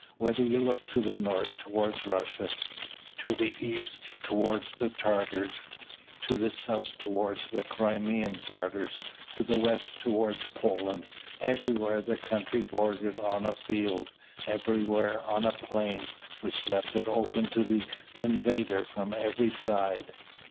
Whether you looked to the north towards Russia, to the east towards the Tatars, to the south towards the Crimean Tatars, to the west towards Poland, everywhere the country bordered on a field, everywhere on a plain, which left it open to the invader from every side.